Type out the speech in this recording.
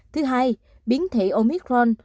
thứ hai biến thể omicron